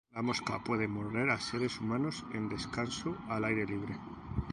La mosca puede morder a seres humanos en descanso al aire libre.